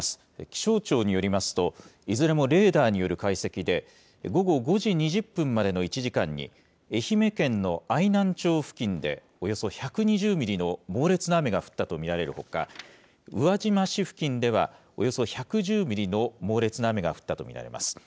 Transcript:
気象庁によりますと、いずれもレーダーによる解析で、午後５時２０分までの１時間に、愛媛県の愛南町付近で、およそ１２０ミリの猛烈な雨が降ったと見られるほか、宇和島市付近ではおよそ１１０ミリの猛烈な雨が降ったと見られます。